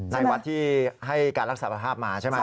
ในวัดที่ให้การรับสารภาพมาใช่ไหม